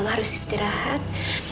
mama harus istirahat